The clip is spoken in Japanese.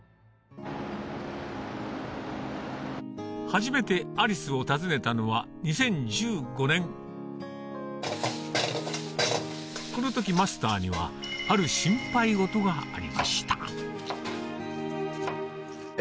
初めて「ありす」を訪ねたのは２０１５年この時マスターにはある心配事がありました